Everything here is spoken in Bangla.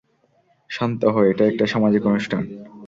শান্ত হ, এটা একটা সামাজিক অনুষ্ঠান।